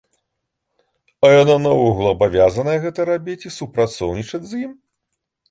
А яна наогул абавязаная гэта рабіць і супрацоўнічаць з ім?